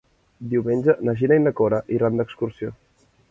Diumenge na Gina i na Cora iran d'excursió.